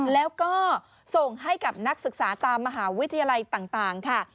แล้วก็ส่งให้กับนักศึกษาตามมหาวิทยาลัยต่างค่ะ